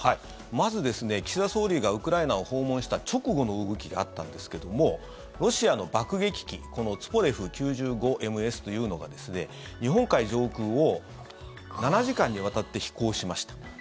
まずですね、岸田総理がウクライナを訪問した直後の動きがあったんですけどもロシアの爆撃機ツポレフ９５ＭＳというのが日本海上空を７時間にわたって飛行しました。